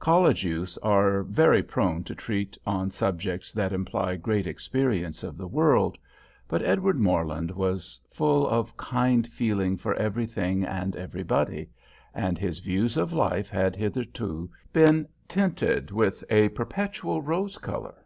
College youths are very prone to treat on subjects that imply great experience of the world. But Edward Morland was full of kind feeling for everything and everybody; and his views of life had hitherto been tinted with a perpetual rose color.